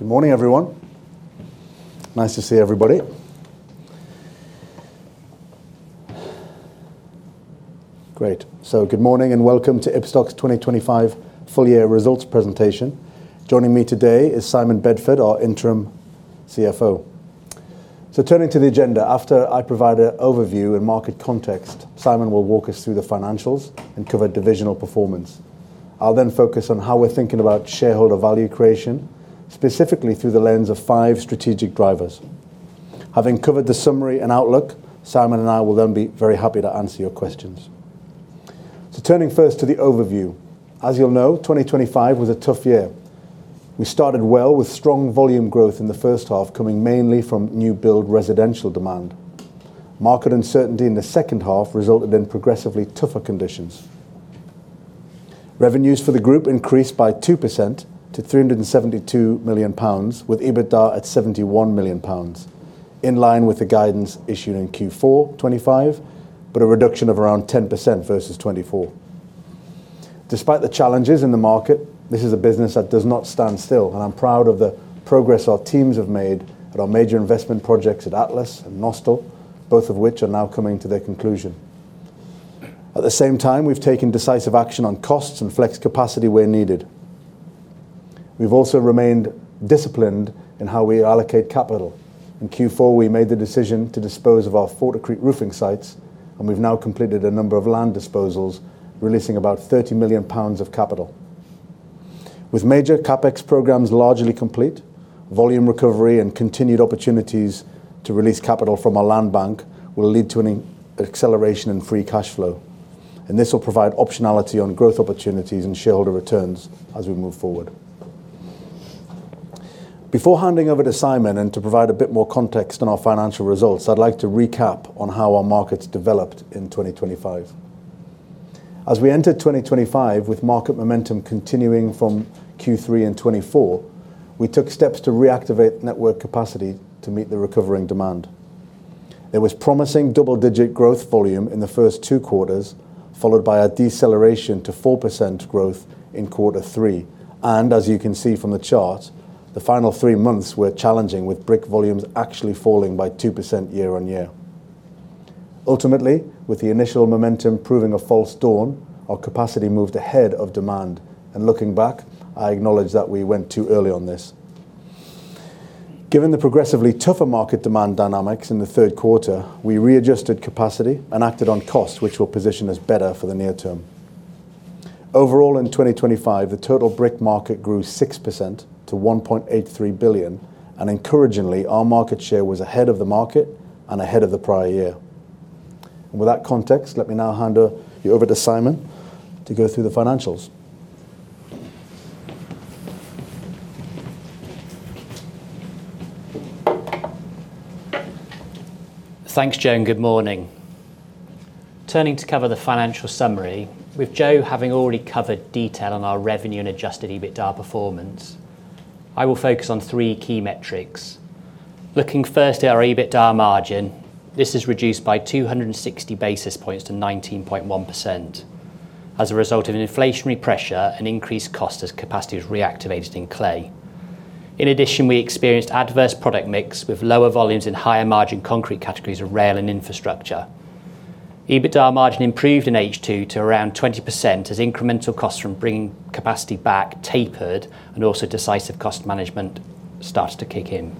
Good morning, everyone. Nice to see everybody. Great. Good morning and welcome to Ibstock's 2025 full year results presentation. Joining me today is Simon Bedford, our interim CFO. Turning to the agenda, after I provide an overview and market context, Simon will walk us through the financials and cover divisional performance. I'll focus on how we're thinking about shareholder value creation, specifically through the lens of five strategic drivers. Having covered the summary and outlook, Simon and I will be very happy to answer your questions. Turning first to the overview. As you'll know, 2025 was a tough year. We started well with strong volume growth in the first half coming mainly from new build residential demand. Market uncertainty in the second half resulted in progressively tougher conditions. Revenues for the group increased by 2% to 372 million pounds, with EBITDA at 71 million pounds, in line with the guidance issued in Q4 2025, but a reduction of around 10% versus 2024. Despite the challenges in the market, this is a business that does not stand still, and I'm proud of the progress our teams have made at our major investment projects at Atlas and Nostell, both of which are now coming to their conclusion. At the same time, we've taken decisive action on costs and flex capacity where needed. We've also remained disciplined in how we allocate capital. In Q4, we made the decision to dispose of our Forticrete roofing sites, and we've now completed a number of land disposals, releasing about 30 million pounds of capital. With major CapEx programs largely complete, volume recovery and continued opportunities to release capital from our land bank will lead to an acceleration in free cash flow. This will provide optionality on growth opportunities and shareholder returns as we move forward. Before handing over to Simon Bedford and to provide a bit more context on our financial results, I'd like to recap on how our markets developed in 2025. As we entered 2025 with market momentum continuing from Q3 in 2024, we took steps to reactivate network capacity to meet the recovering demand. There was promising double-digit growth volume in the first two quarters, followed by a deceleration to 4% growth in quarter three. As you can see from the chart, the final three months were challenging, with brick volumes actually falling by 2% year-over-year. Ultimately, with the initial momentum proving a false dawn, our capacity moved ahead of demand. Looking back, I acknowledge that we went too early on this. Given the progressively tougher market demand dynamics in the third quarter, we readjusted capacity and acted on costs, which will position us better for the near term. Overall, in 2025, the total brick market grew 6% to 1.83 billion. Encouragingly, our market share was ahead of the market and ahead of the prior year. With that context, let me now hand you over to Simon to go through the financials. Thanks, Joe, good morning. Turning to cover the financial summary, with Joe having already covered detail on our revenue and adjusted EBITDA performance, I will focus on three key metrics. Looking first at our EBITDA margin, this is reduced by 260 basis points to 19.1% as a result of an inflationary pressure and increased cost as capacity was reactivated in clay. In addition, we experienced adverse product mix with lower volumes in higher margin concrete categories of rail and infrastructure. EBITDA margin improved in H2 to around 20% as incremental costs from bringing capacity back tapered and also decisive cost management started to kick in.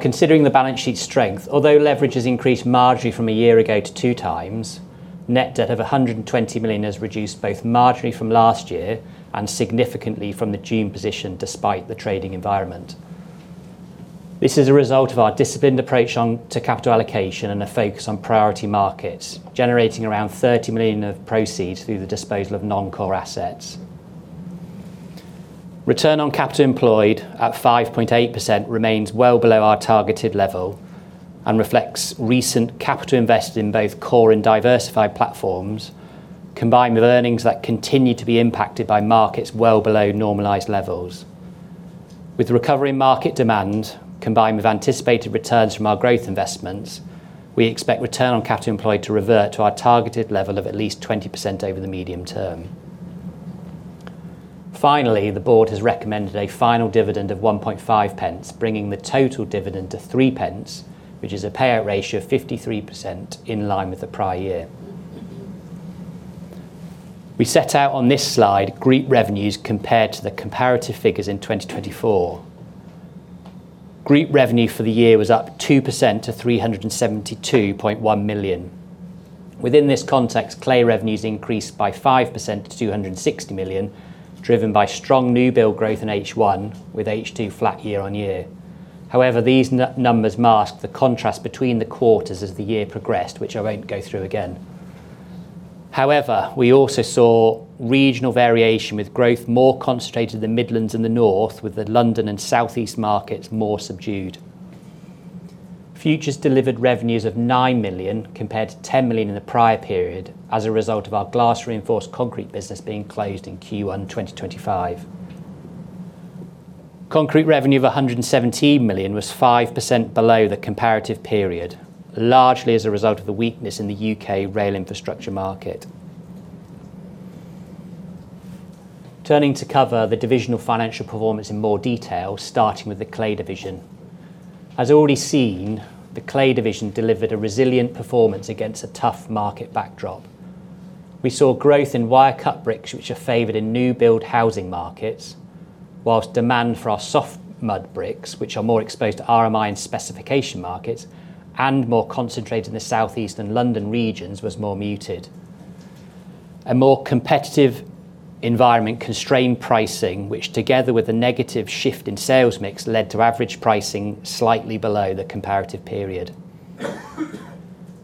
Considering the balance sheet strength, although leverage has increased marginally from a year ago to 2x, net debt of 120 million has reduced both marginally from last year and significantly from the June position despite the trading environment. This is a result of our disciplined approach on to capital allocation and a focus on priority markets, generating around 30 million of proceeds through the disposal of non-core assets. Return on capital employed at 5.8% remains well below our targeted level and reflects recent capital invested in both core and diversified platforms, combined with earnings that continue to be impacted by markets well below normalized levels. Recovery market demand combined with anticipated returns from our growth investments, we expect return on capital employed to revert to our targeted level of at least 20% over the medium term. Finally, the board has recommended a final dividend of 0.015, bringing the total dividend to 0.03, which is a payout ratio of 53% in line with the prior year. We set out on this slide group revenues compared to the comparative figures in 2024. Group revenue for the year was up 2% to 372.1 million. Within this context, clay revenues increased by 5% to 260 million, driven by strong new build growth in H1 with H2 flat year on year. However, these numbers mask the contrast between the quarters as the year progressed, which I won't go through again. However, we also saw regional variation with growth more concentrated in the Midlands and the North, with the London and Southeast markets more subdued. Futures delivered revenues of 9 million compared to 10 million in the prior period as a result of our glass reinforced concrete business being closed in Q1 2025. Concrete revenue of 117 million was 5% below the comparative period, largely as a result of the weakness in the U.K. rail infrastructure market. Turning to cover the divisional financial performance in more detail, starting with the clay division. As already seen, the clay division delivered a resilient performance against a tough market backdrop. We saw growth in wire cut bricks, which are favored in new build housing markets, whilst demand for our soft mud bricks, which are more exposed to RMI and specification markets and more concentrated in the Southeast and London regions, was more muted. A more competitive environment constrained pricing, which together with a negative shift in sales mix led to average pricing slightly below the comparative period.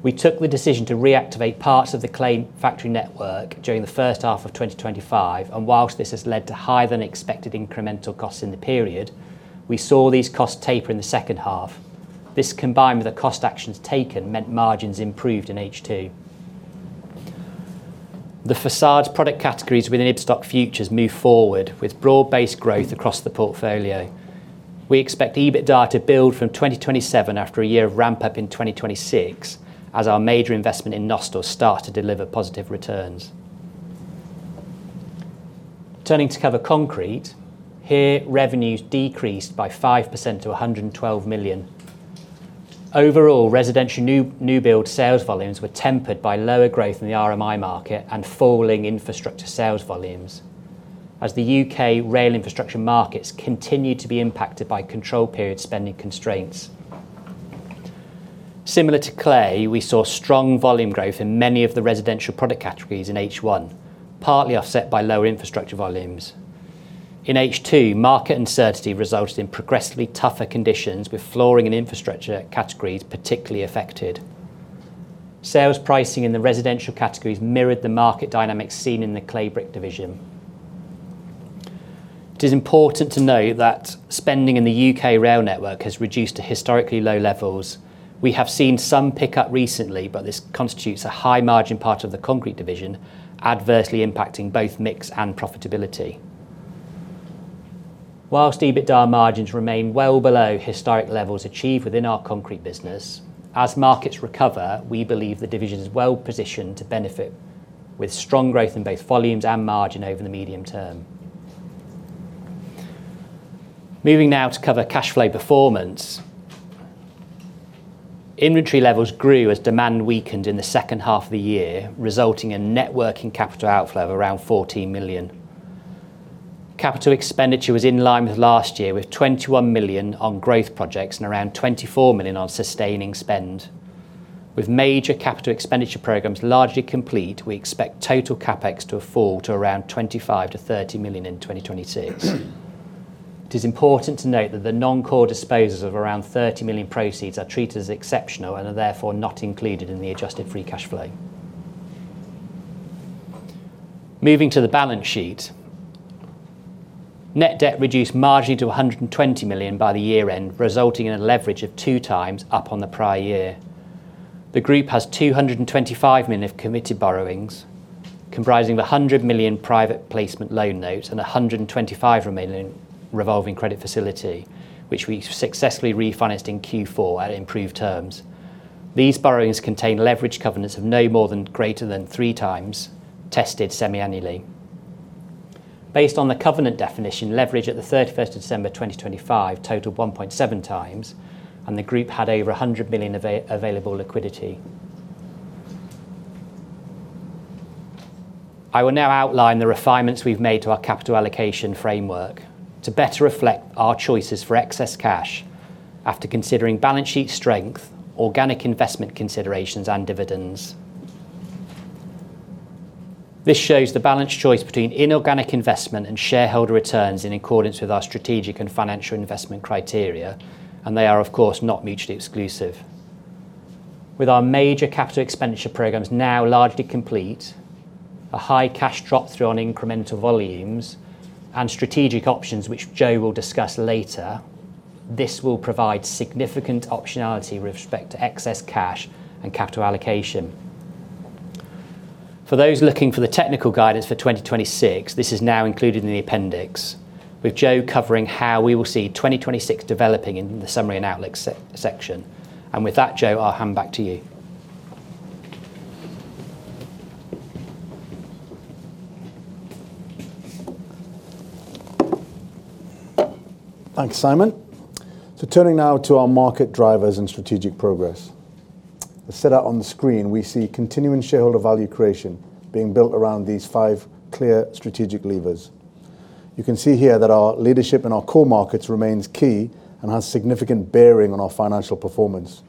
We took the decision to reactivate parts of the clay factory network during the first half of 2025, and whilst this has led to higher than expected incremental costs in the period, we saw these costs taper in the second half. This combined with the cost actions taken meant margins improved in H2. The facades product categories within Ibstock Futures move forward with broad-based growth across the portfolio. We expect EBITDA to build from 2027 after a year of ramp-up in 2026 as our major investment in Nostell start to deliver positive returns. Turning to cover concrete. Here revenues decreased by 5% to 112 million. Overall, residential new build sales volumes were tempered by lower growth in the RMI market and falling infrastructure sales volumes as the U.K. rail infrastructure markets continued to be impacted by control period spending constraints. Similar to clay, we saw strong volume growth in many of the residential product categories in H1, partly offset by lower infrastructure volumes. In H2, market uncertainty resulted in progressively tougher conditions, with flooring and infrastructure categories particularly affected. Sales pricing in the residential categories mirrored the market dynamics seen in the clay brick division. It is important to note that spending in the U.K. rail network has reduced to historically low levels. We have seen some pickup recently, but this constitutes a high margin part of the concrete division, adversely impacting both mix and profitability. Whilst EBITDA margins remain well below historic levels achieved within our concrete business, as markets recover, we believe the division is well positioned to benefit with strong growth in both volumes and margin over the medium term. Moving now to cover cash flow performance. Inventory levels grew as demand weakened in the second half of the year, resulting in net working capital outflow of around 14 million. Capital expenditure was in line with last year, with 21 million on growth projects and around 24 million on sustaining spend. With major capital expenditure programs largely complete, we expect total CapEx to fall to around 25 million-30 million in 2026. It is important to note that the non-core disposals of around 30 million proceeds are treated as exceptional and are therefore not included in the adjusted free cash flow. Moving to the balance sheet. Net debt reduced marginally to 120 million by the year-end, resulting in a leverage of 2x up on the prior year. The group has 225 million of committed borrowings, comprising the 100 million private placement loan note and 125 million revolving credit facility, which we successfully refinanced in Q4 at improved terms. These borrowings contain leverage covenants of no more than greater than 3x tested semi-annually. Based on the covenant definition, leverage at the 31st of December 2025 totaled 1.7x, and the group had over 100 million of available liquidity. I will now outline the refinements we've made to our capital allocation framework to better reflect our choices for excess cash after considering balance sheet strength, organic investment considerations, and dividends. This shows the balanced choice between inorganic investment and shareholder returns in accordance with our strategic and financial investment criteria. They are of course, not mutually exclusive. With our major capital expenditure programs now largely complete, a high cash drop through on incremental volumes and strategic options, which Joe will discuss later, this will provide significant optionality with respect to excess cash and capital allocation. For those looking for the technical guidance for 2026, this is now included in the appendix, with Joe covering how we will see 2026 developing in the summary and outlook section. With that, Joe, I'll hand back to you. Thanks, Simon. Turning now to our market drivers and strategic progress. As set out on the screen, we see continuing shareholder value creation being built around these five clear strategic levers. You can see here that our leadership in our core markets remains key and has significant bearing on our financial performance.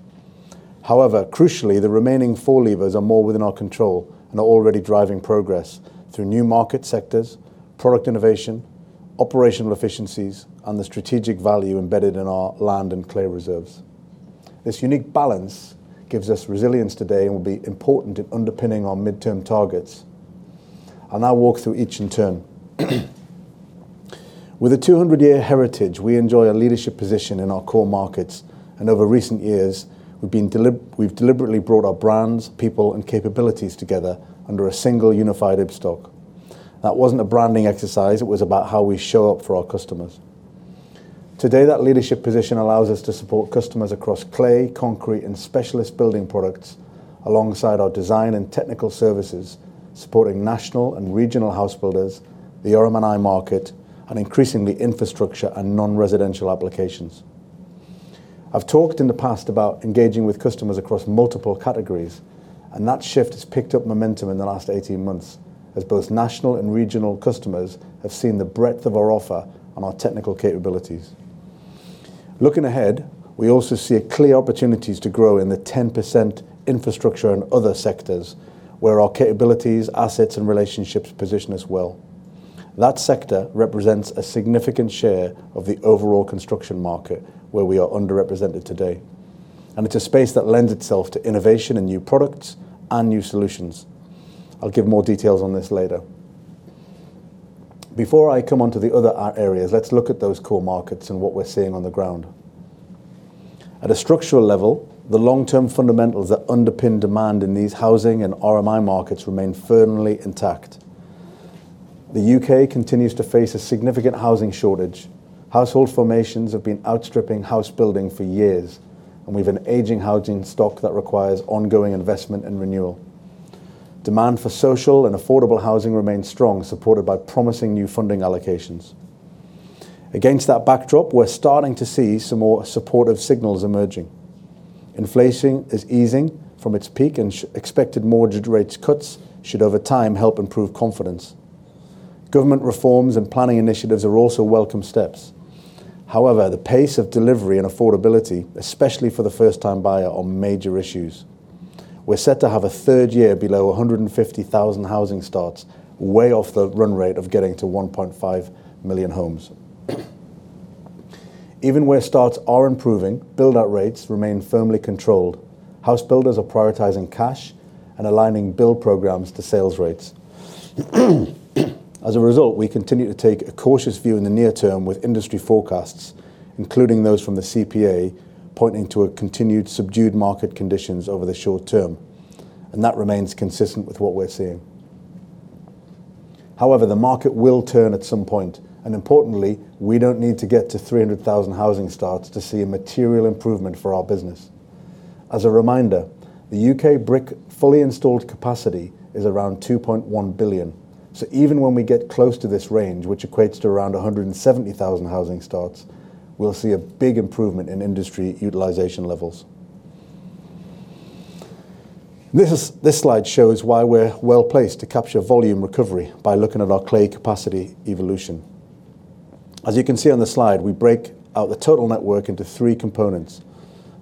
Crucially, the remaining four levers are more within our control and are already driving progress through new market sectors, product innovation, operational efficiencies, and the strategic value embedded in our land and clay reserves. This unique balance gives us resilience today and will be important in underpinning our midterm targets. I'll now walk through each in turn. With a 200-year heritage, we enjoy a leadership position in our core markets, and over recent years, we've deliberately brought our brands, people, and capabilities together under a single unified Ibstock. That wasn't a branding exercise, it was about how we show up for our customers. Today, that leadership position allows us to support customers across clay, concrete, and specialist building products alongside our design and technical services, supporting national and regional house builders, the RMI market, and increasingly infrastructure and non-residential applications. I've talked in the past about engaging with customers across multiple categories. That shift has picked up momentum in the last 18 months as both national and regional customers have seen the breadth of our offer on our technical capabilities. Looking ahead, we also see clear opportunities to grow in the 10% infrastructure and other sectors where our capabilities, assets, and relationships position us well. That sector represents a significant share of the overall construction market where we are underrepresented today. It's a space that lends itself to innovation and new products and new solutions. I'll give more details on this later. Before I come on to the other areas, let's look at those core markets and what we're seeing on the ground. At a structural level, the long-term fundamentals that underpin demand in these housing and RMI markets remain firmly intact. The U.K. continues to face a significant housing shortage. Household formations have been outstripping house building for years, and we have an aging housing stock that requires ongoing investment and renewal. Demand for social and affordable housing remains strong, supported by promising new funding allocations. Against that backdrop, we're starting to see some more supportive signals emerging. Inflation is easing from its peak, and expected mortgage rate cuts should over time help improve confidence. Government reforms and planning initiatives are also welcome steps. However, the pace of delivery and affordability, especially for the first-time buyer, are major issues. We're set to have a third year below 150,000 housing starts, way off the run rate of getting to 1.5 million homes. Even where starts are improving, build-out rates remain firmly controlled. House builders are prioritizing cash and aligning build programs to sales rates. As a result, we continue to take a cautious view in the near term with industry forecasts, including those from the CPA, pointing to a continued subdued market conditions over the short term. That remains consistent with what we're seeing. However, the market will turn at some point. Importantly, we don't need to get to 300,000 housing starts to see a material improvement for our business. As a reminder, the U.K. brick fully installed capacity is around 2.1 billion. Even when we get close to this range, which equates to around 170,000 housing starts, we'll see a big improvement in industry utilization levels. This slide shows why we're well-placed to capture volume recovery by looking at our clay capacity evolution. As you can see on the slide, we break out the total network into three components: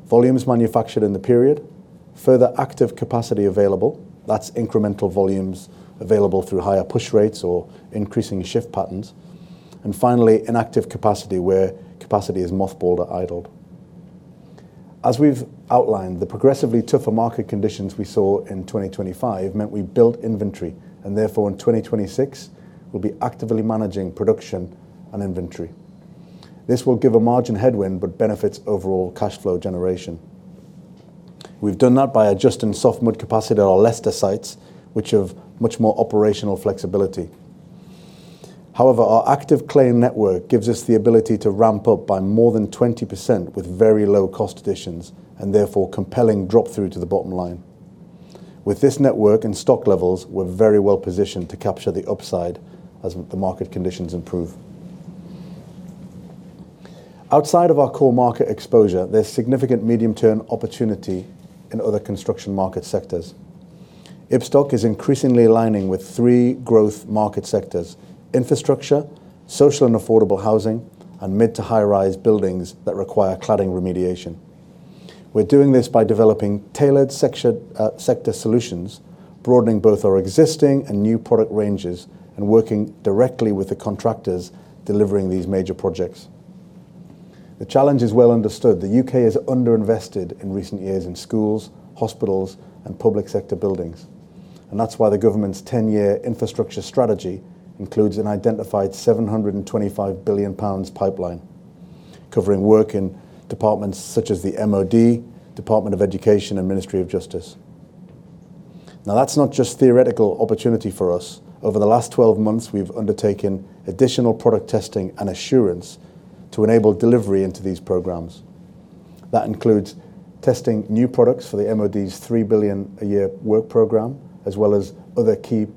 volumes manufactured in the period, further active capacity available, that's incremental volumes available through higher push rates or increasing shift patterns, and finally, inactive capacity, where capacity is mothballed or idled. As we've outlined, the progressively tougher market conditions we saw in 2025 meant we built inventory, and therefore, in 2026, we'll be actively managing production and inventory. This will give a margin headwind but benefits overall cash flow generation. We've done that by adjusting softwood capacity at our Leicester sites, which have much more operational flexibility. However, our active clay network gives us the ability to ramp up by more than 20% with very low-cost additions and therefore compelling drop-through to the bottom line. With this network and stock levels, we're very well-positioned to capture the upside as the market conditions improve. Outside of our core market exposure, there's significant medium-term opportunity in other construction market sectors. Ibstock is increasingly aligning with three growth market sectors: infrastructure, social and affordable housing, and mid to high-rise buildings that require cladding remediation. We're doing this by developing tailored sector solutions, broadening both our existing and new product ranges, and working directly with the contractors delivering these major projects. The challenge is well understood. The U.K. has underinvested in recent years in schools, hospitals, and public sector buildings. That's why the government's 10-year infrastructure strategy includes an identified 725 billion pounds pipeline covering work in departments such as the MOD, Department for Education, and Ministry of Justice. That's not just theoretical opportunity for us. Over the last 12 months, we've undertaken additional product testing and assurance to enable delivery into these programs. That includes testing new products for the MOD's 3 billion a year work program, as well as other key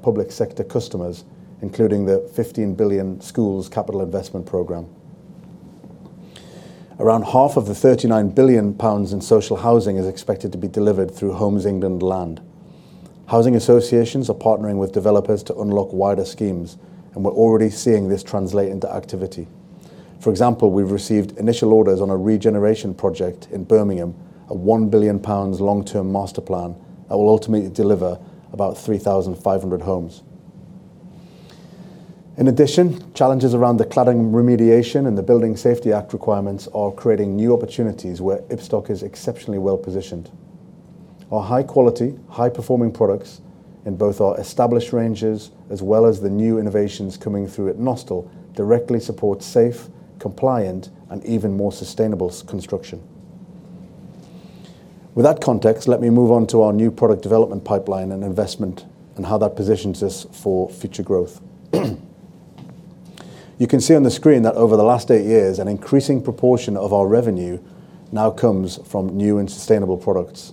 public sector customers, including the 15 billion schools capital investment program. Around half of the 39 billion pounds in social housing is expected to be delivered through Homes England land. Housing associations are partnering with developers to unlock wider schemes. We're already seeing this translate into activity. For example, we've received initial orders on a regeneration project in Birmingham, a 1 billion pounds long-term master plan that will ultimately deliver about 3,500 homes. Challenges around the cladding remediation and the Building Safety Act requirements are creating new opportunities where Ibstock is exceptionally well-positioned. Our high-quality, high-performing products in both our established ranges as well as the new innovations coming through at Nostell directly support safe, compliant, and even more sustainable construction. With that context, let me move on to our new product development pipeline and investment and how that positions us for future growth. You can see on the screen that over the last eight years, an increasing proportion of our revenue now comes from new and sustainable products.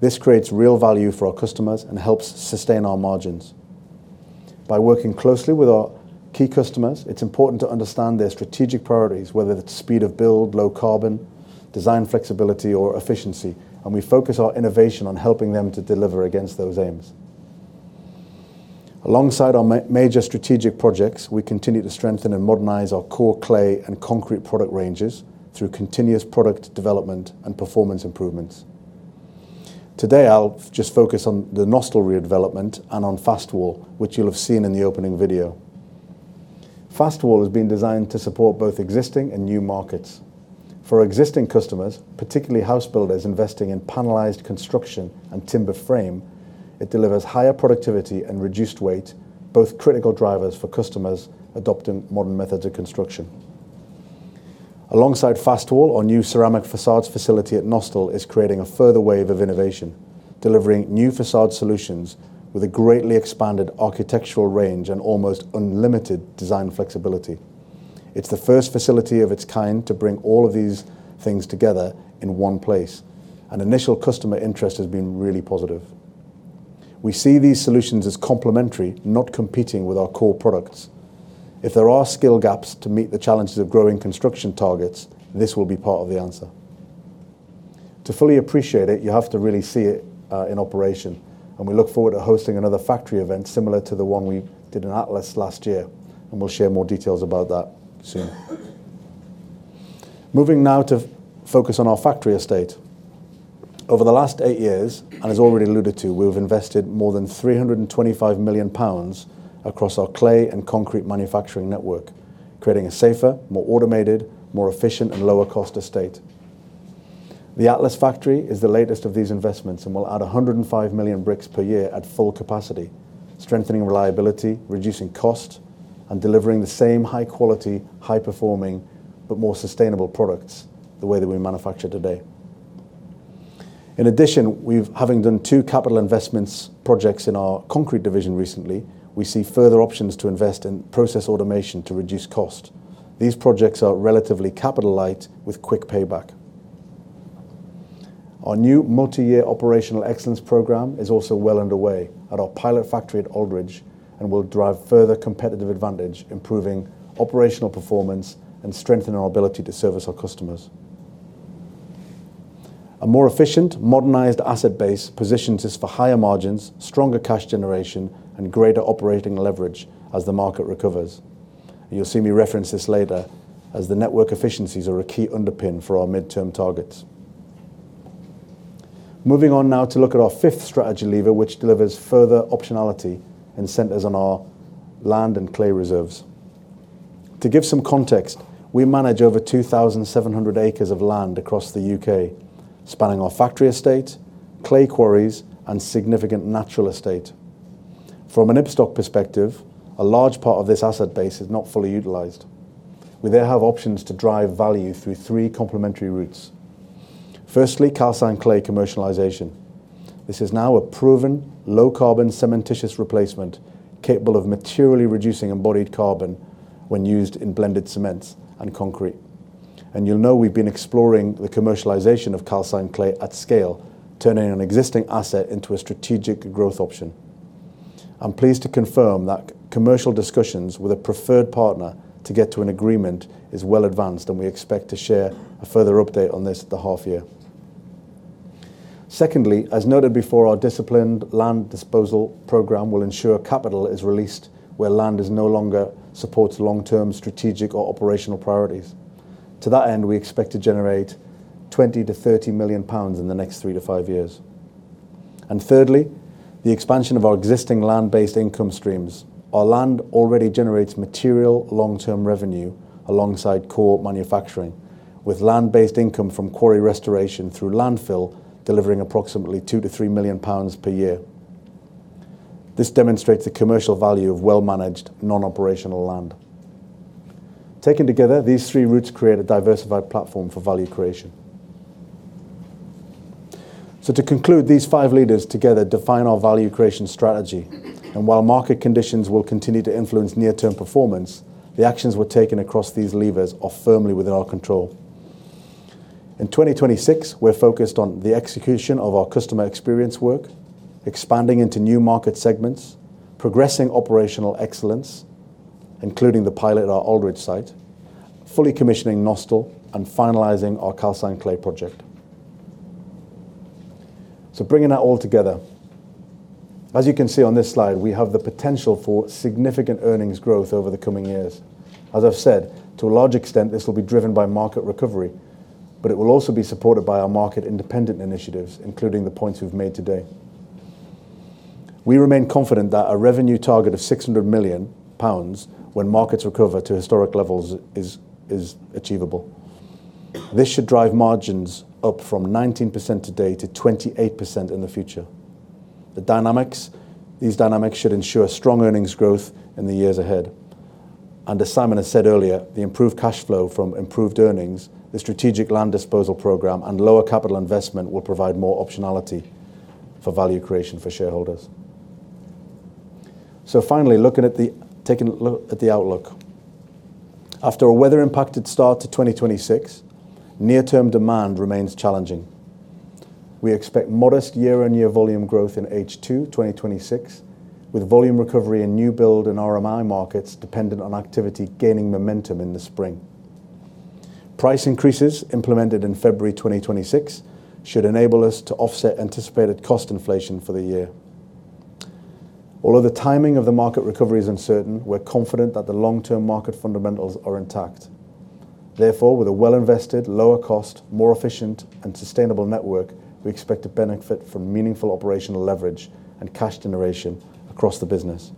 This creates real value for our customers and helps sustain our margins. By working closely with our key customers, it's important to understand their strategic priorities, whether it's speed of build, low carbon, design flexibility, or efficiency, we focus our innovation on helping them to deliver against those aims. Alongside our major strategic projects, we continue to strengthen and modernize our core clay and concrete product ranges through continuous product development and performance improvements. Today, I'll just focus on the Nostell redevelopment and on FastWall, which you'll have seen in the opening video. FastWall has been designed to support both existing and new markets. For existing customers, particularly house builders investing in panelized construction and timber frame, it delivers higher productivity and reduced weight, both critical drivers for customers adopting modern methods of construction. Alongside FastWall, our new ceramic facades facility at Nostell is creating a further wave of innovation, delivering new facade solutions with a greatly expanded architectural range and almost unlimited design flexibility. It's the first facility of its kind to bring all of these things together in one place. Initial customer interest has been really positive. We see these solutions as complementary, not competing with our core products. If there are skill gaps to meet the challenges of growing construction targets, this will be part of the answer. To fully appreciate it, you have to really see it in operation. We look forward to hosting another factory event similar to the one we did in Atlas last year. We'll share more details about that soon. Moving now to focus on our factory estate. Over the last eight years, as already alluded to, we have invested more than 325 million pounds across our clay and concrete manufacturing network, creating a safer, more automated, more efficient, and lower cost estate. The Atlas factory is the latest of these investments and will add 105 million bricks per year at full capacity, strengthening reliability, reducing cost, and delivering the same high quality, high performing, but more sustainable products the way that we manufacture today. In addition, having done two capital investments projects in our concrete division recently, we see further options to invest in process automation to reduce cost. These projects are relatively capital light with quick payback. Our new multi-year operational excellence program is also well underway at our pilot factory at Aldridge and will drive further competitive advantage, improving operational performance, and strengthen our ability to service our customers. A more efficient, modernized asset base positions us for higher margins, stronger cash generation, and greater operating leverage as the market recovers. You'll see me reference this later as the network efficiencies are a key underpin for our midterm targets. Moving on now to look at our fifth strategy lever, which delivers further optionality and centers on our land and clay reserves. To give some context, we manage over 2,700 acres of land across the U.K., spanning our factory estate, clay quarries, and significant natural estate. From an Ibstock perspective, a large part of this asset base is not fully utilized. We have options to drive value through three complementary routes. Firstly, calcined clay commercialization. This is now a proven low carbon cementitious replacement capable of materially reducing embodied carbon when used in blended cements and concrete. You'll know we've been exploring the commercialization of calcined clay at scale, turning an existing asset into a strategic growth option. I'm pleased to confirm that commercial discussions with a preferred partner to get to an agreement is well advanced, and we expect to share a further update on this at the half year. Secondly, as noted before, our disciplined land disposal program will ensure capital is released where land is no longer supports long-term strategic or operational priorities. To that end, we expect to generate 20 million-30 million pounds in the next three to five years. Thirdly, the expansion of our existing land-based income streams. Our land already generates material long-term revenue alongside core manufacturing, with land-based income from quarry restoration through landfill delivering approximately 2 million-3 million pounds per year. This demonstrates the commercial value of well-managed non-operational land. Taken together, these three routes create a diversified platform for value creation. To conclude, these five leaders together define our value creation strategy. While market conditions will continue to influence near-term performance, the actions we're taking across these levers are firmly within our control. In 2026, we're focused on the execution of our customer experience work, expanding into new market segments, progressing operational excellence, including the pilot at our Aldridge site, fully commissioning Nostell, and finalizing our calcined clay project. Bringing that all together, as you can see on this slide, we have the potential for significant earnings growth over the coming years. As I've said, to a large extent, this will be driven by market recovery, but it will also be supported by our market independent initiatives, including the points we've made today. We remain confident that a revenue target of 600 million pounds when markets recover to historic levels is achievable. This should drive margins up from 19% today to 28% in the future. These dynamics should ensure strong earnings growth in the years ahead. As Simon has said earlier, the improved cash flow from improved earnings, the strategic land disposal program and lower capital investment will provide more optionality for value creation for shareholders. Finally, taking a look at the outlook. After a weather impacted start to 2026, near-term demand remains challenging. We expect modest year-on-year volume growth in H2 2026, with volume recovery in new build and RMI markets dependent on activity gaining momentum in the spring. Price increases implemented in February 2026 should enable us to offset anticipated cost inflation for the year. Although the timing of the market recovery is uncertain, we're confident that the long-term market fundamentals are intact. Therefore, with a well-invested, lower cost, more efficient and sustainable network, we expect to benefit from meaningful operational leverage and cash generation across the business.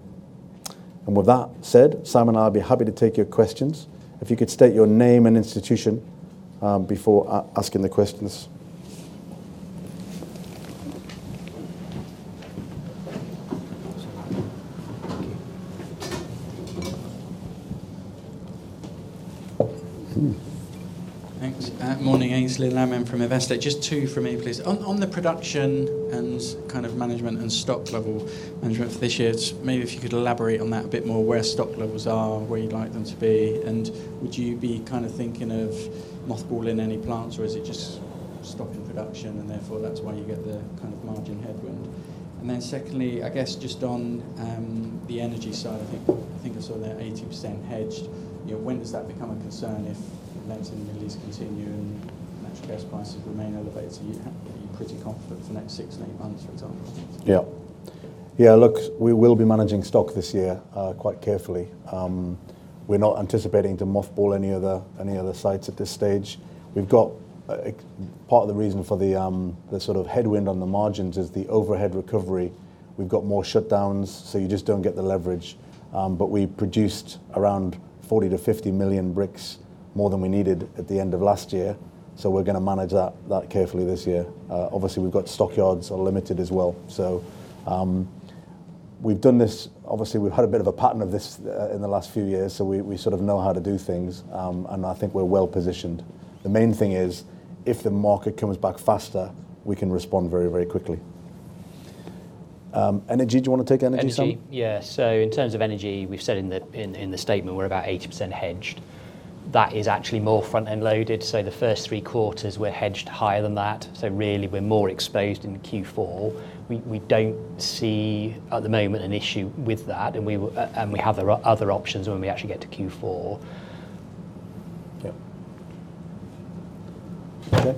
With that said, Simon and I will be happy to take your questions. If you could state your name and institution before asking the questions. Thanks. Morning. Aynsley Lammin from Investec. Just two from me, please. On, on the production and kind of management and stock level management for this year, maybe if you could elaborate on that a bit more, where stock levels are, where you'd like them to be, and would you be kind of thinking of mothballing any plants or is it just stocking production and therefore that's why you get the kind of margin headwind? Secondly, I guess just on the energy side, I think, I think I saw they're 80% hedged. You know, when does that become a concern if rents and lease continue and natural gas prices remain elevated? Are you, are you pretty confident for the next six to nine months, for example? We will be managing stock this year quite carefully. We're not anticipating to mothball any other sites at this stage. We've got part of the reason for the sort of headwind on the margins is the overhead recovery. We've got more shutdowns, you just don't get the leverage. We produced around 40 million bricks-50 million bricks more than we needed at the end of last year, we're gonna manage that carefully this year. Obviously, we've got stockyards are limited as well. Obviously, we've had a bit of a pattern of this in the last few years, we sort of know how to do things, and I think we're well-positioned. The main thing is if the market comes back faster, we can respond very, very quickly. Energy, do you wanna take energy, Simon? Energy? Yeah. In terms of energy, we've said in the statement we're about 80% hedged. That is actually more front-end loaded. The first three quarters we're hedged higher than that, so really we're more exposed in Q4. We don't see at the moment an issue with that, and we have other options when we actually get to Q4. Yeah. Okay.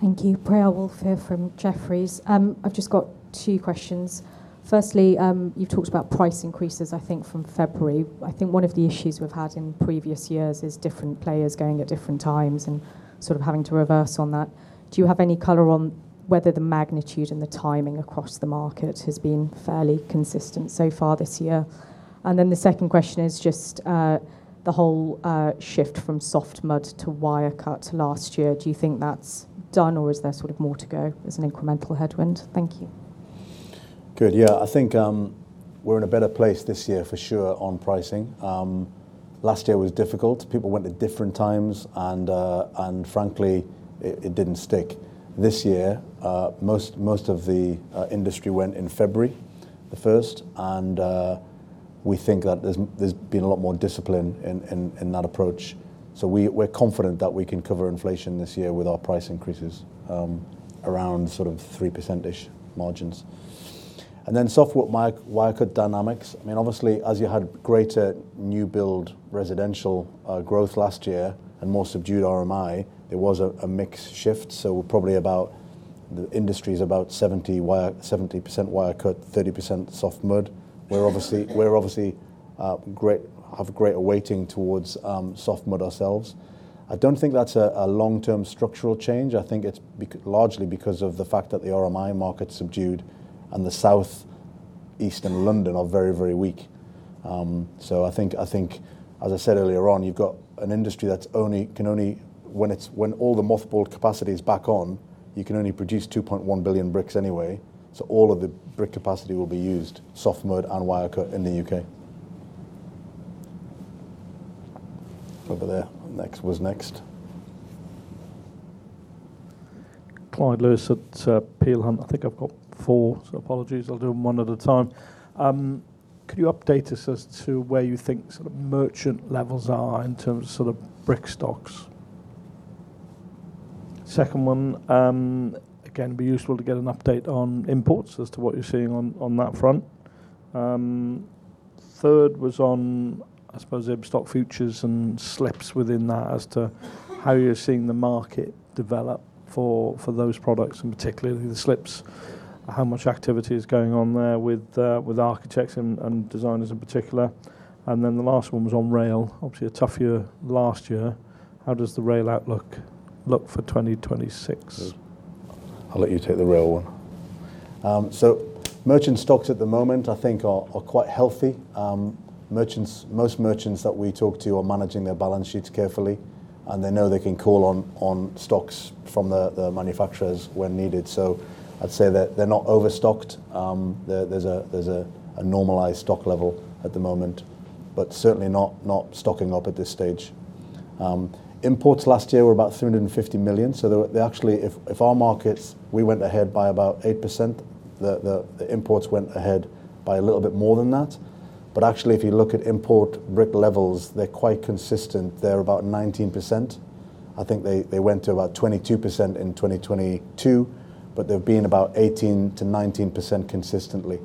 Thank you. Priyal Woolf here from Jefferies. I've just got two questions. Firstly, you've talked about price increases, I think from February. I think one of the issues we've had in previous years is different players going at different times and sort of having to reverse on that. Do you have any color on whether the magnitude and the timing across the market has been fairly consistent so far this year? The second question is just the whole shift from soft mud to wire cut last year. Do you think that's done or is there sort of more to go as an incremental headwind? Thank you. Good. Yeah. I think, we're in a better place this year for sure on pricing. Last year was difficult. People went at different times, and frankly, it didn't stick. This year, most of the industry went in February the first, and we think that there's been a lot more discipline in that approach. We're confident that we can cover inflation this year with our price increases, around sort of 3% margins. Soft mud, wire cut dynamics. I mean, obviously, as you had greater new build residential, growth last year and more subdued RMI, there was a mix shift, so we're probably about the industry's about 70% wire cut, 30% soft mud. We're obviously, have greater weighting towards, soft mud ourselves. I don't think that's a long-term structural change. I think it's largely because of the fact that the RMI market subdued and the South East and London are very, very weak. I think as I said earlier on, you've got an industry when all the mothballed capacity is back on, you can only produce 2.1 billion bricks anyway. All of the brick capacity will be used, soft mud and wire cut in the U.K. Over there. Next. Who was next? Clyde Lewis at Peel Hunt. I think I've got four. Apologies. I'll do them one at a time. Could you update us as to where you think sort of merchant levels are in terms of sort of brick stocks? Second one, again, be useful to get an update on imports as to what you're seeing on that front. Third was on, I suppose, Ibstock Futures and slips within that as to how you're seeing the market develop for those products, and particularly the slips. How much activity is going on there with architects and designers in particular? The last one was on rail. Obviously a tough year last year. How does the rail outlook look for 2026? I'll let you take the rail one. Merchant stocks at the moment I think are quite healthy. Merchants, most merchants that we talk to are managing their balance sheets carefully. They know they can call on stocks from the manufacturers when needed. I'd say that they're not overstocked. There's a normalized stock level at the moment, but certainly not stocking up at this stage. Imports last year were about 350 million. They're, they actually if our markets, we went ahead by about 8%, the imports went ahead by a little bit more than that. Actually, if you look at import brick levels, they're quite consistent. They're about 19%. I think they went to about 22% in 2022, but they've been about 18%-19% consistently.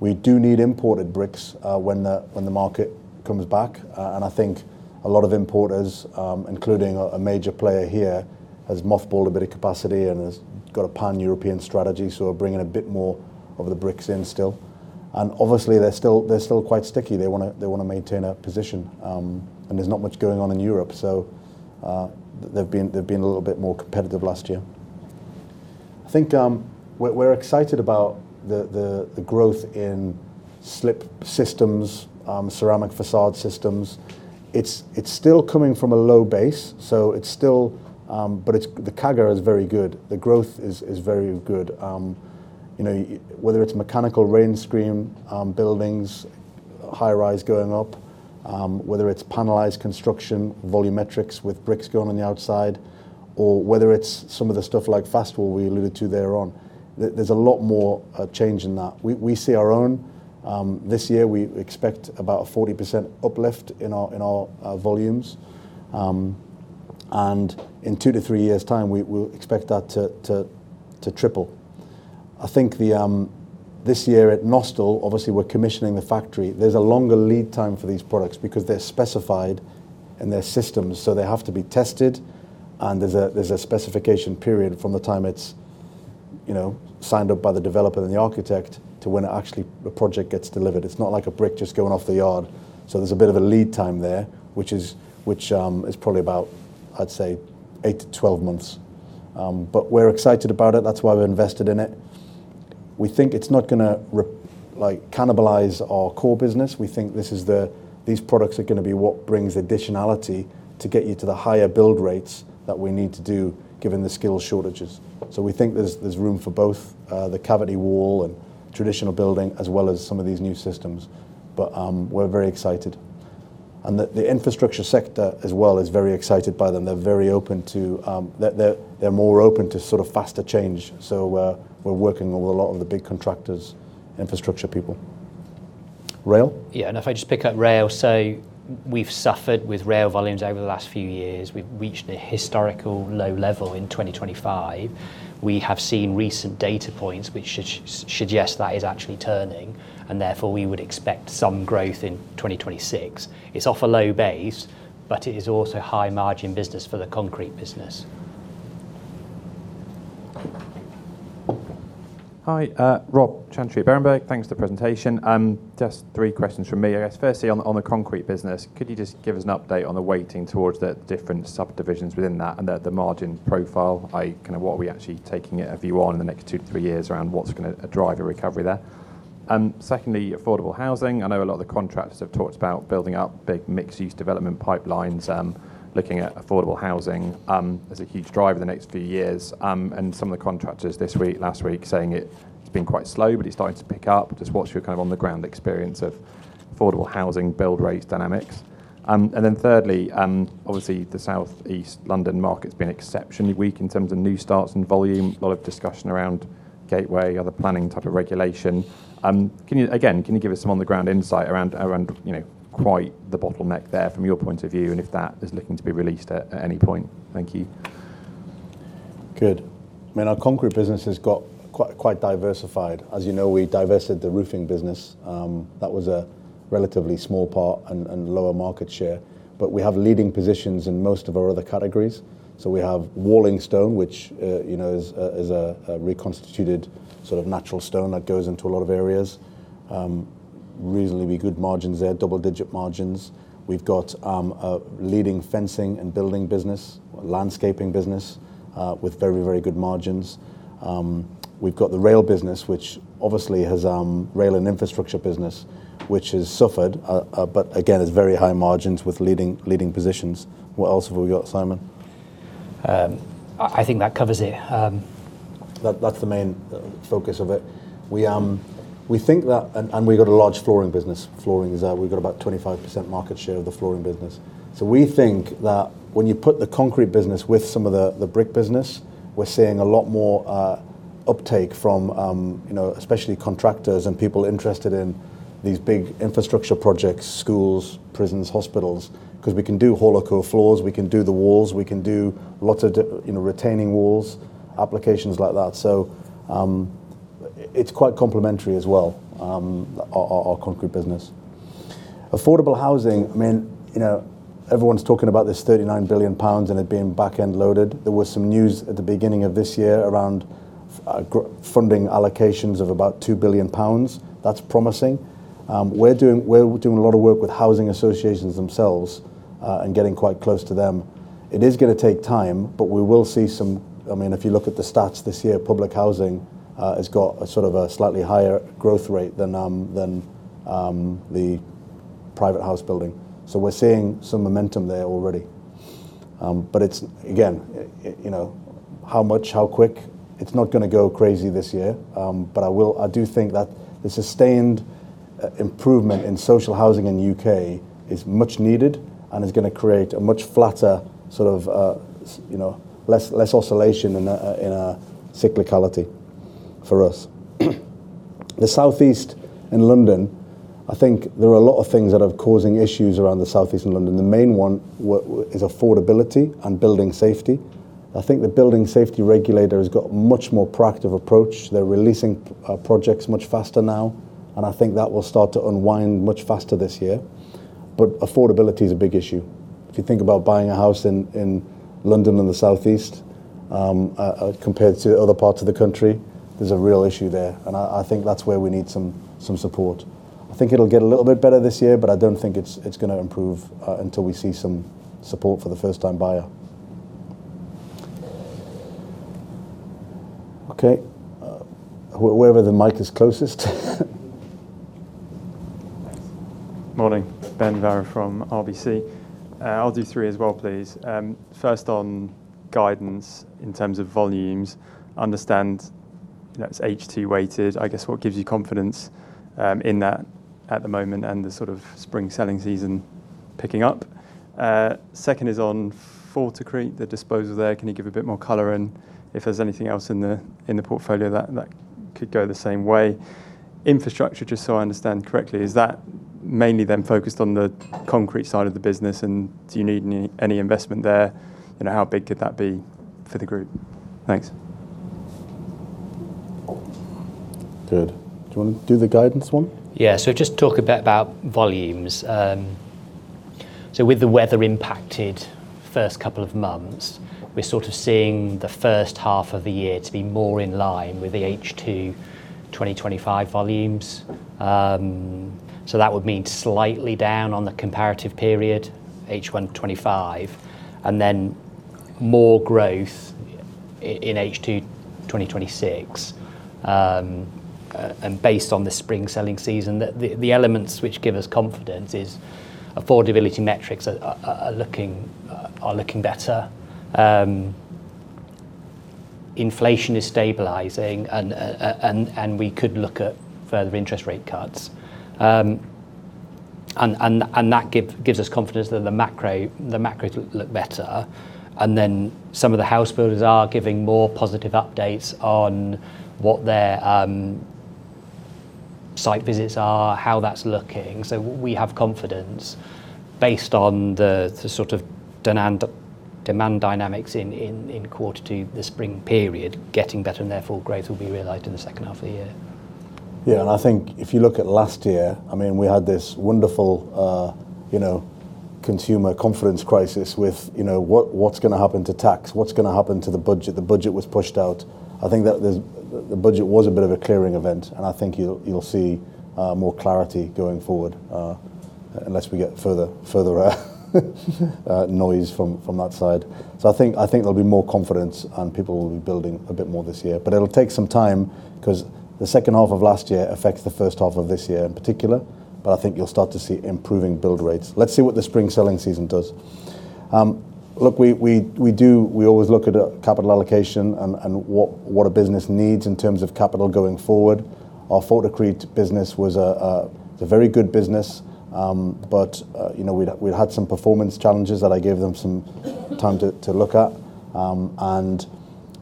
We do need imported bricks when the market comes back. I think a lot of importers, including a major player here, has mothballed a bit of capacity and has got a pan-European strategy, so are bringing a bit more of the bricks in still. Obviously, they're still quite sticky. They wanna maintain a position, and there's not much going on in Europe. They've been a little bit more competitive last year. I think we're excited about the growth in slip systems, ceramic facade systems. It's still coming from a low base, so it's still. The CAGR is very good. The growth is very good. You know, whether it's mechanical rainscreen buildings, high-rise going up, whether it's panelized construction, volumetrics with bricks going on the outside, or whether it's some of the stuff like FastWall we alluded to there on, there's a lot more change in that. We see our own. This year, we expect about a 40% uplift in our volumes. And in two to three years' time, we expect that to triple. I think the this year at Nostell, obviously we're commissioning the factory. There's a longer lead time for these products because they're specified in their systems, so they have to be tested, and there's a specification period from the time it's, you know, signed up by the developer and the architect to when actually the project gets delivered. It's not like a brick just going off the yard. There's a bit of a lead time there, which is, I'd say, eight to 12 months. We're excited about it. That's why we invested in it. We think it's not gonna like cannibalize our core business. We think these products are gonna be what brings additionality to get you to the higher build rates that we need to do given the skill shortages. We think there's room for both, the cavity wall and traditional building, as well as some of these new systems. We're very excited. The infrastructure sector as well is very excited by them. They're very open to, they're more open to sort of faster change. We're working with a lot of the big contractors, infrastructure people. Rail? Yeah. If I just pick up rail, so we've suffered with rail volumes over the last few years. We've reached a historical low level in 2025. We have seen recent data points which suggest that is actually turning, and therefore we would expect some growth in 2026. It's off a low base, but it is also high margin business for the concrete business. Hi, Robert Chantry, Berenberg. Thanks for the presentation. Just three questions from me. I guess firstly, on the concrete business, could you just give us an update on the weighting towards the different subdivisions within that and the margin profile? Kinda what are we actually taking a view on in the next two to three years around what's gonna drive a recovery there? Secondly, affordable housing. I know a lot of the contractors have talked about building up big mixed-use development pipelines, looking at affordable housing, as a huge driver the next few years. Some of the contractors this week, last week saying it's been quite slow, but it's starting to pick up. Just what's your kind of on-the-ground experience of affordable housing build rates dynamics? Thirdly, obviously the South East London market's been exceptionally weak in terms of new starts and volume. A lot of discussion around gateway, other planning type of regulation. Can you, again, can you give us some on-the-ground insight around, you know, quite the bottleneck there from your point of view, and if that is looking to be released at any point? Thank you. Good. I mean, our concrete business has got quite diversified. As you know, we divested the roofing business. That was a relatively small part and lower market share. We have leading positions in most of our other categories. We have Walling Stone, which, you know, is a reconstituted sort of natural stone that goes into a lot of areas. Reasonably good margins there, double-digit margins. We've got a leading fencing and building business, landscaping business, with very, very good margins. We've got the rail business, which obviously has rail and infrastructure business, which has suffered, but again, is very high margins with leading positions. What else have we got, Simon? I think that covers it. That's the main focus of it. We've got a large flooring business. Flooring is, we've got about 25% market share of the flooring business. We think that when you put the concrete business with some of the brick business, we're seeing a lot more uptake from, you know, especially contractors and people interested in these big infrastructure projects, schools, prisons, hospitals. 'Cause we can do hollow core floors, we can do the walls, we can do lots of, you know, retaining walls, applications like that. It's quite complementary as well, our concrete business. Affordable housing, I mean, you know, everyone's talking about this 39 billion pounds and it being back-end loaded. There was some news at the beginning of this year around funding allocations of about 2 billion pounds. That's promising. We're doing a lot of work with housing associations themselves, and getting quite close to them. It is gonna take time, but we will see some. I mean, if you look at the stats this year, public housing has got a sort of a slightly higher growth rate than the private house building. We're seeing some momentum there already. It's again, you know, how much, how quick? It's not gonna go crazy this year. I do think that the sustained improvement in social housing in the U.K. is much needed and is gonna create a much flatter sort of, you know, less oscillation and a cyclicality for us. The Southeast and London, I think there are a lot of things that are causing issues around the Southeast and London. The main one is affordability and Building Safety. I think the Building Safety Regulator has got much more proactive approach. They're releasing projects much faster now, and I think that will start to unwind much faster this year. Affordability is a big issue. If you think about buying a house in London and the Southeast, compared to other parts of the country, there's a real issue there. I think that's where we need some support. I think it'll get a little bit better this year. I don't think it's gonna improve, until we see some support for the first time buyer. Okay. Wherever the mic is closest. Morning. Benjamin Pfannes-Varrow from RBC Capital Markets. I'll do three as well, please. First on guidance in terms of volumes. Understand that's H2 weighted. I guess what gives you confidence in that at the moment and the sort of spring selling season picking up? Second is on Forticrete, the disposal there. Can you give a bit more color in if there's anything else in the portfolio that could go the same way? Infrastructure, just so I understand correctly, is that mainly then focused on the concrete side of the business, and do you need any investment there? You know, how big could that be for the group? Thanks. Good. Do you wanna do the guidance one? Yeah. Just talk a bit about volumes. With the weather impacted first couple of months, we're sort of seeing the first half of the year to be more in line with the H2 2025 volumes. That would mean slightly down on the comparative period, H1 2025, and then more growth in H2 2026. Based on the spring selling season, the elements which give us confidence is affordability metrics are looking better. Inflation is stabilizing, and we could look at further interest rate cuts. That gives us confidence that the macro look better. Then some of the house builders are giving more positive updates on what their site visits are, how that's looking. We have confidence based on the sort of demand dynamics in quarter to the spring period getting better and therefore growth will be realized in the second half of the year. Yeah. I think if you look at last year, I mean, we had this wonderful, you know, consumer confidence crisis with, you know, what's gonna happen to tax? What's gonna happen to the budget? The budget was pushed out. I think that the budget was a bit of a clearing event, and I think you'll see, more clarity going forward, unless we get further noise from that side. I think, I think there'll be more confidence and people will be building a bit more this year. It'll take some time `cause the second half of last year affects the first half of this year in particular. I think you'll start to see improving build rates. Let's see what the spring selling season does. Look, we always look at capital allocation and what a business needs in terms of capital going forward. Our Forticrete business was a very good business, but, you know, we'd had some performance challenges that I gave them some time to look at.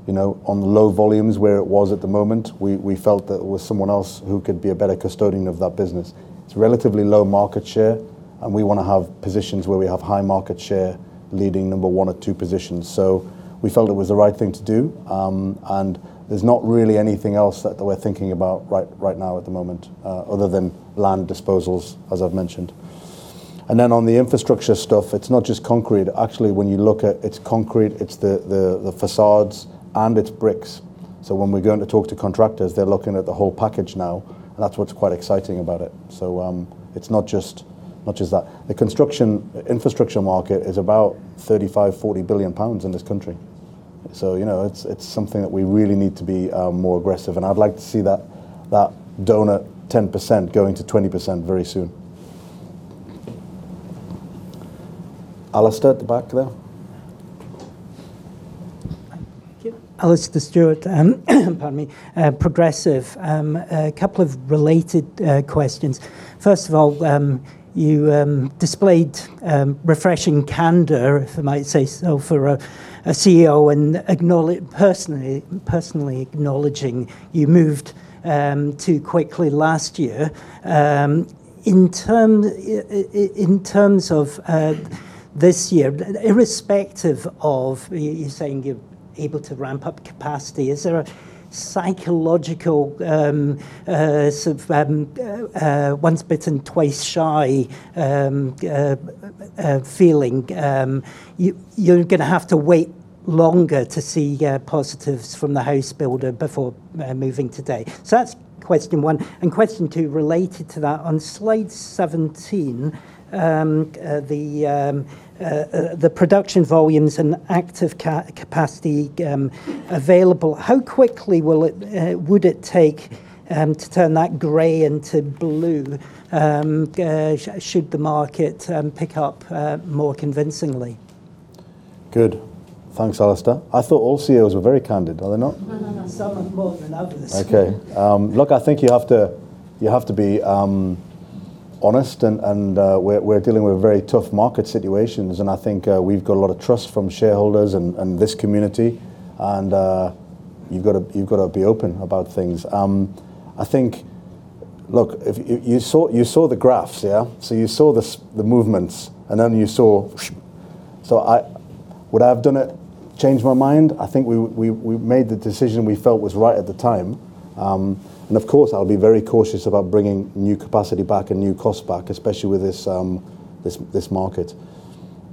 You know, on the low volumes where it was at the moment, we felt that it was someone else who could be a better custodian of that business. It's relatively low market share, and we wanna have positions where we have high market share leading number one or two positions. We felt it was the right thing to do. There's not really anything else that we're thinking about right now at the moment, other than land disposals, as I've mentioned. On the infrastructure stuff, it's not just concrete. Actually, when you look at, it's concrete, it's the facades, and it's bricks. When we're going to talk to contractors, they're looking at the whole package now, and that's what's quite exciting about it. It's not just much as that. The construction infrastructure market is about 35 billion-40 billion pounds in this country. You know, it's something that we really need to be more aggressive. I'd like to see that doughnut 10% going to 20% very soon. Alastair at the back there. Thank you. Alastair Stewart, Progressive. A couple of related questions. First of all, you displayed refreshing candor, if I might say so, for a CEO and personally acknowledging you moved too quickly last year. In terms of this year, irrespective of you saying you're able to ramp up capacity, is there a psychological sort of once bitten, twice shy feeling? You're gonna have to wait longer to see positives from the house builder before moving today. That's question one. Question two related to that, on slide 17, the production volumes and active capacity available, how quickly will it would it take to turn that gray into blue should the market pick up more convincingly? Good. Thanks, Alastair. I thought all CEOs were very candid. Are they not? No, no. Some are more than others. Okay. Look, I think you have to, you have to be honest. We're dealing with very tough market situations, and I think we've got a lot of trust from shareholders and this community. You've gotta be open about things. I think. Look, if you saw the graphs. Yeah? You saw the movements, and then you saw. Would I have done it, changed my mind? I think we made the decision we felt was right at the time. Of course, I'll be very cautious about bringing new capacity back and new costs back, especially with this market.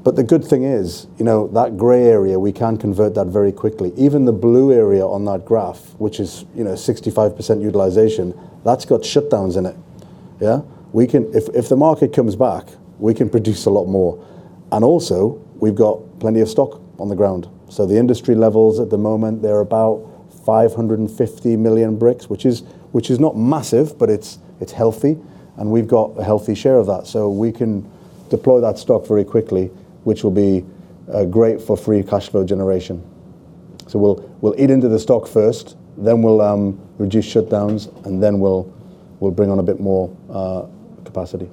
The good thing is, you know, that gray area, we can convert that very quickly. Even the blue area on that graph, which is, you know, 65% utilization, that's got shutdowns in it. Yeah. If the market comes back, we can produce a lot more, and also, we've got plenty of stock on the ground. The industry levels at the moment, they're about 550 million bricks, which is, which is not massive, but it's healthy, and we've got a healthy share of that. We can deploy that stock very quickly, which will be great for free cash flow generation. We'll eat into the stock first, then we'll reduce shutdowns, and then we'll bring on a bit more capacity.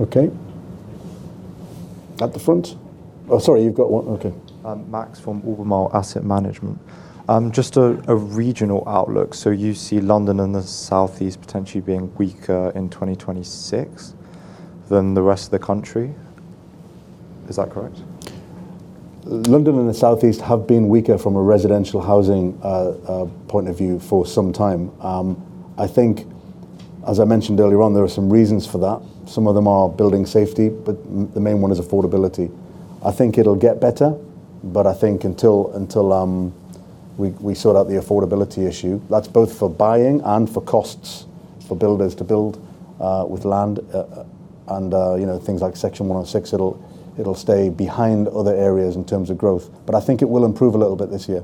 Okay. At the front. Oh, sorry, you've got one. Okay. Max from Abermile Asset Management. Just a regional outlook. You see London and the South East potentially being weaker in 2026 than the rest of the country. Is that correct? London and the South East have been weaker from a residential housing point of view for some time. I think, as I mentioned earlier on, there are some reasons for that. Some of them are Building Safety, but the main one is affordability. I think it'll get better, but I think until we sort out the affordability issue, that's both for buying and for costs, for builders to build with land, and, you know, things like Section 106, it'll stay behind other areas in terms of growth. I think it will improve a little bit this year.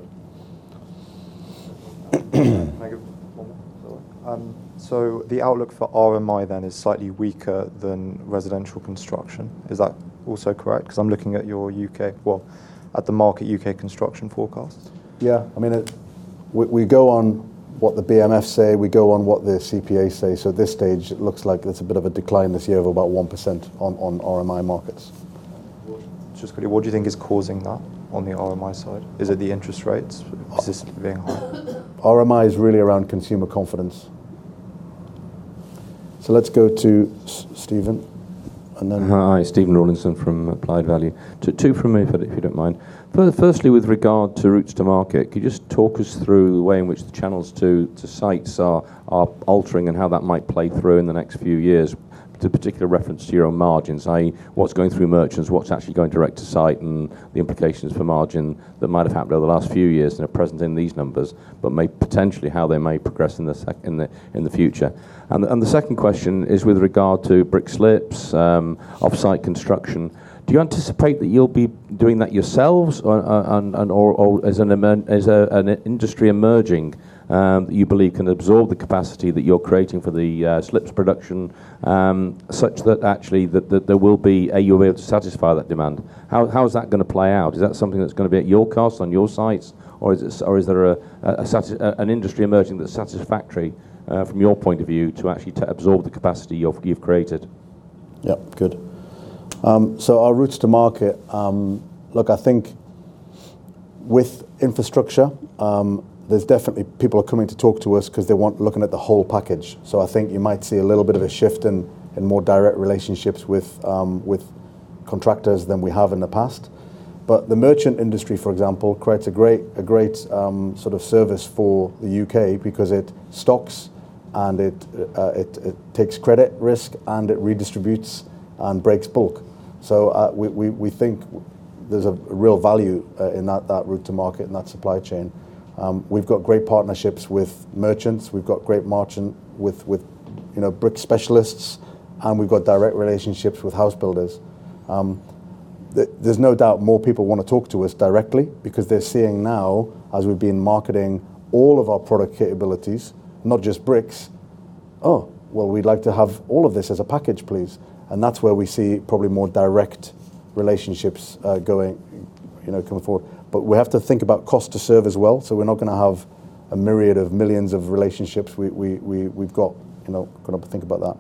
Can I get one more? The outlook for RMI then is slightly weaker than residential construction. Is that also correct? 'Cause I'm looking at your well, at the Markit U.K. construction forecast. Yeah. I mean, We go on what the BMF say, we go on what the CPA say. At this stage, it looks like there's a bit of a decline this year of about 1% on RMI markets. Just quickly, what do you think is causing that on the RMI side? Is it the interest rates, is this being high? RMI is really around consumer confidence. Let's go to Stephen. Hi. Stephen Rawlinson from Applied Value. Two, two from me if you don't mind. Firstly, with regard to routes to market, could you just talk us through the way in which the channels to sites are altering and how that might play through in the next few years? To particular reference to your own margins, i.e., what's going through merchants, what's actually going direct to site, and the implications for margin that might have happened over the last few years and are present in these numbers, but may potentially how they may progress in the future. The second question is with regard to brick slips, off-site construction. Do you anticipate that you'll be doing that yourselves or, and, or as an industry emerging, that you believe can absorb the capacity that you're creating for the slips production, such that actually there will be you'll be able to satisfy that demand? How is that gonna play out? Is that something that's gonna be at your cost on your sites, or is there an industry emerging that's satisfactory, from your point of view to actually absorb the capacity you've created? Yeah. Good. Our routes to market, look, I think with infrastructure, there's definitely people are coming to talk to us because they want looking at the whole package. I think you might see a little bit of a shift in more direct relationships with contractors than we have in the past. The merchant industry, for example, creates a great sort of service for the U.K. because it stocks, and it takes credit risk, and it redistributes and breaks bulk. We think there's a real value in that route to market and that supply chain. We've got great partnerships with merchants, we've got great margin with, you know, brick specialists, and we've got direct relationships with house builders. There's no doubt more people wanna talk to us directly because they're seeing now, as we've been marketing all of our product capabilities, not just bricks, "Oh, well, we'd like to have all of this as a package, please." That's where we see probably more direct relationships going, you know, coming forward. We have to think about cost to serve as well, so we're not gonna have a myriad of millions of relationships. We've got, you know, gotta think about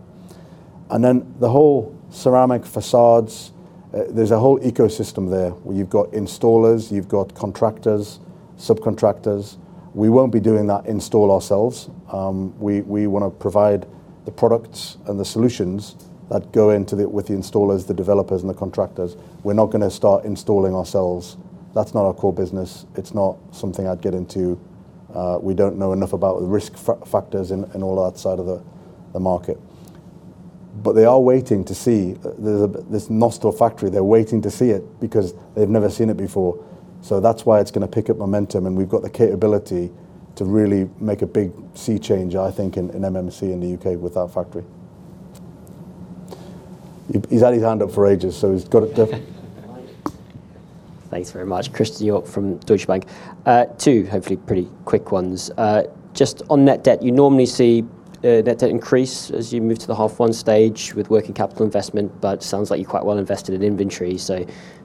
that. The whole ceramic facades, there's a whole ecosystem there, where you've got installers, you've got contractors, subcontractors. We won't be doing that install ourselves. We wanna provide the products and the solutions that go with the installers, the developers, and the contractors. We're not gonna start installing ourselves. That's not our core business. It's not something I'd get into. We don't know enough about the risk factors in all that side of the market. They are waiting to see this Nostell factory, they're waiting to see it because they've never seen it before. That's why it's gonna pick up momentum, and we've got the capability to really make a big sea change, I think, in MMC in the U.K. with our factory. He's had his hand up for ages, so he's got a. Thanks very much. Christian York from Deutsche Bank. Two hopefully pretty quick ones. Just on net debt, you normally see net debt increase as you move to the H1 stage with working capital investment, but sounds like you're quite well invested in inventory.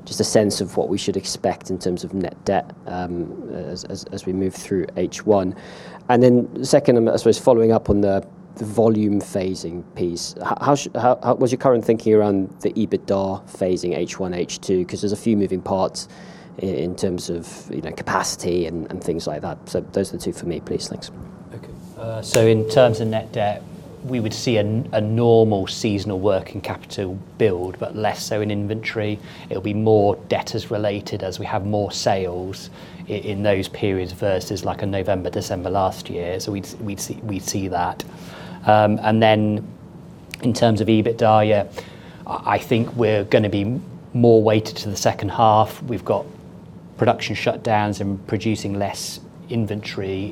Just a sense of what we should expect in terms of net debt as we move through H1. Second, I suppose following up on the volume phasing piece. What's your current thinking around the EBITDA phasing H1, H2? Because there's a few moving parts in terms of, you know, capacity and things like that. Those are the two for me, please. Thanks. Okay. In terms of net debt, we would see a normal seasonal working capital build, but less so in inventory. It'll be more debtors related as we have more sales in those periods versus like a November, December last year. We'd see that. In terms of EBITDA, yeah, I think we're gonna be more weighted to the second half. We've got production shutdowns and producing less inventory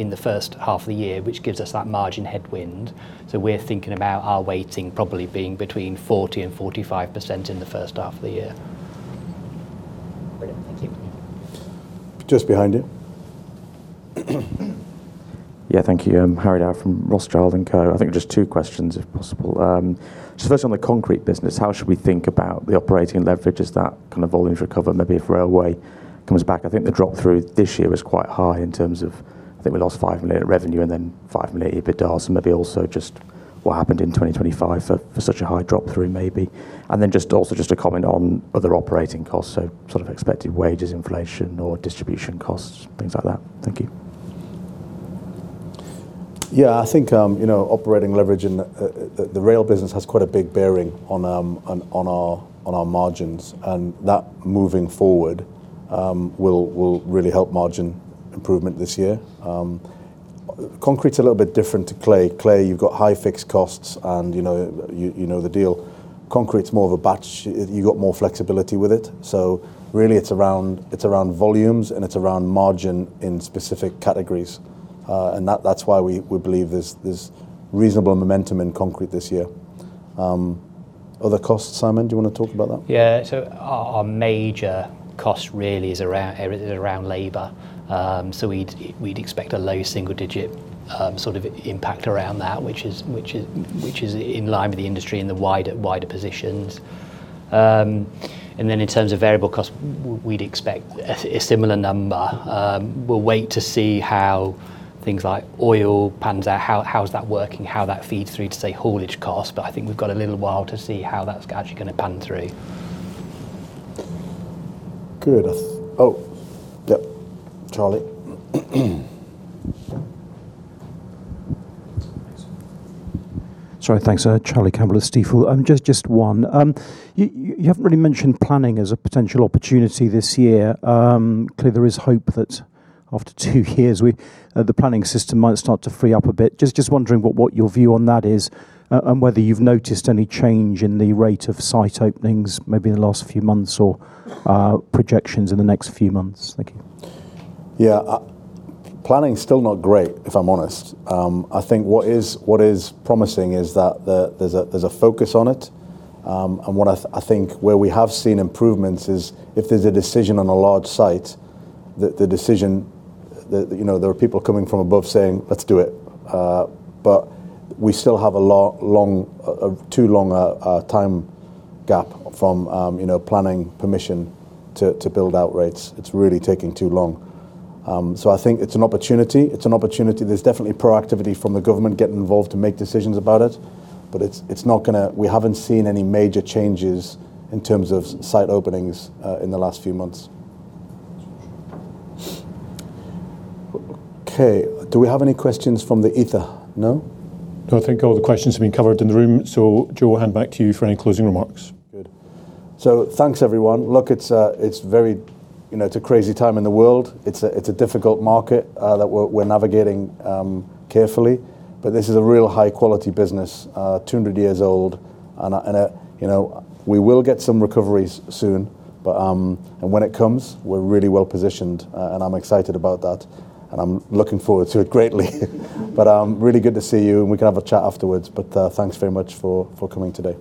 in the first half of the year, which gives us that margin headwind. We're thinking about our weighting probably being between 40% and 45% in the first half of the year. Brilliant. Thank you. Just behind you. Thank you. I'm Harry Dow from Rothschild & Co. I think just two questions, if possible. Just first on the concrete business, how should we think about the operating leverage? Is that kind of volumes recover, maybe if railway comes back? I think the drop-through this year was quite high in terms of, I think we lost 5 million at revenue and then 5 million EBITDA. Maybe also just what happened in 2025 for such a high drop through maybe. Just also just a comment on other operating costs, so sort of expected wages, inflation or distribution costs, things like that. Thank you. Yeah, I think, you know, operating leverage in the rail business has quite a big bearing on our margins. That moving forward, will really help margin improvement this year. Concrete's a little bit different to clay. Clay, you've got high fixed costs and you know, you know the deal. Concrete's more of a batch. You got more flexibility with it. Really it's around volumes and it's around margin in specific categories. That's why we believe there's reasonable momentum in concrete this year. Other costs, Simon, do you wanna talk about that? Our major cost really is around labor. We'd expect a low single-digit sort of impact around that, which is in line with the industry in the wider positions. In terms of variable costs, we'd expect a similar number. We'll wait to see how things like oil pans out, how is that working, how that feeds through to, say, haulage costs. I think we've got a little while to see how that's actually gonna pan through. Good. Oh, yep. Charlie. Sorry. Thanks. Charlie Campbell of Stifel. Just one. You haven't really mentioned planning as a potential opportunity this year. Clearly there is hope that after two years, the planning system might start to free up a bit. Just wondering what your view on that is, and whether you've noticed any change in the rate of site openings maybe in the last few months or projections in the next few months? Thank you. Yeah. Planning's still not great, if I'm honest. I think what is promising is that there's a focus on it. I think where we have seen improvements is if there's a decision on a large site, the decision, you know, there are people coming from above saying, "Let's do it." We still have a long, a too long a time gap from, you know, planning permission to build out rates. It's really taking too long. I think it's an opportunity. It's an opportunity. There's definitely proactivity from the Government getting involved to make decisions about it, but it's not gonna. We haven't seen any major changes in terms of site openings in the last few months. Okay, do we have any questions from the ether? No? No, I think all the questions have been covered in the room. Joe, I'll hand back to you for any closing remarks. Good. Thanks, everyone. Look, it's very, you know, it's a crazy time in the world. It's a, it's a difficult market, that we're navigating, carefully. This is a real high quality business, 200 years old, and I, and it, you know, we will get some recoveries soon. When it comes, we're really well-positioned, and I'm excited about that, and I'm looking forward to it greatly. Really good to see you, and we can have a chat afterwards. Thanks very much for coming today.